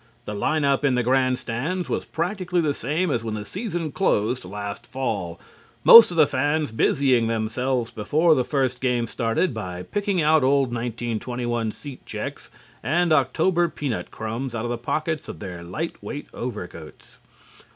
The line up in the grandstands was practically the same as when the season closed last Fall, most of the fans busying themselves before the first game started by picking old 1921 seat checks and October peanut crumbs out of the pockets of their light weight overcoats.